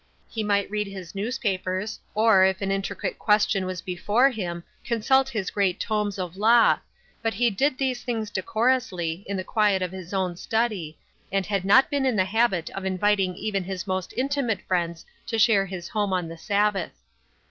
He might read his newspapers, or, if an intricate ques tion was before him, consult his great tomes of law, but he did those things decorously, in the quiet of his own study, and had not been in the 80 THE UNEXPECTED. habit of inviting even his most intimate friends to share his home on the Sabbath.